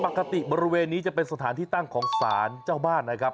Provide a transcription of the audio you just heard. ปกติบริเวณนี้จะเป็นสถานที่ตั้งของศาลเจ้าบ้านนะครับ